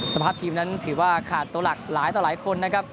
สภาพทีมนั้นถือว่าขาดตัวหลักหลายต่อหลายคนนะครับ